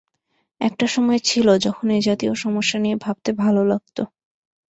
একটা সময় ছিল, যখন এজাতীয় সমস্যা নিয়ে ভাবতে ভালো লাগত।